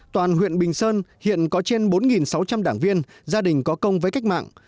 toàn huyện bình sơn hiện có trên bốn sáu trăm linh đảng viên gia đình có công với cách mạng